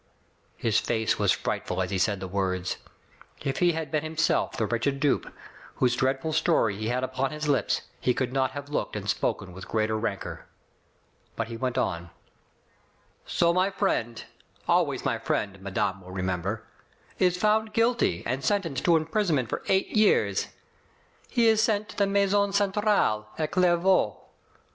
His face was frightful as he said the words. If he had been himself the wretched dupe, whose dreadful story he had upon his lips, he could not have looked and spoken with greater rancor. But he went on : So my friend — always my friend, madame will remember — is found guilty and sentenced to imprisonment for eight years. He is sent to the 'Maison Gentrale' at Clairvaux.